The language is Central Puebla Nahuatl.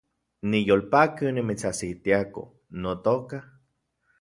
Niyolpaki onimitsajsitiako, notoka